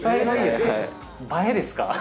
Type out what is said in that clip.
映えですか。